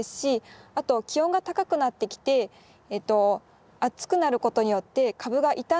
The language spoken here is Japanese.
あと気温が高くなってきて暑くなることによって株が傷んでしまうので。